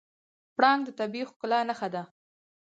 پړانګ د طبیعي ښکلا نښه ده.